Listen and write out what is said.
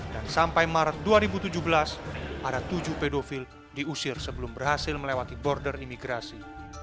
dan sampai maret dua ribu tujuh belas ada tujuh pedofil diusir sebelum berhasil melewati border imigrasi